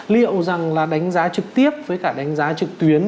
liệu rằng là đánh giá trực tiếp với cả đánh giá trực tuyến